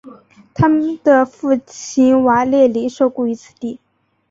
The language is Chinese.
他的父亲瓦列里受雇于此地。